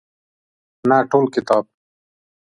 نه ټول کتاب.